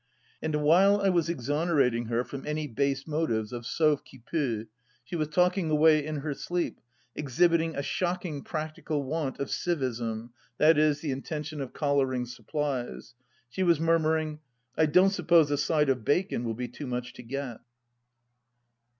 And while I was exonerating her from any base motives of sauve qui peut, she was talking away in her sleep, exhibit ing a shocking practical want of civism, i.e. the intention of collaring supplies. She was murmuring :" I don't suppose a side of bacon will be too much to get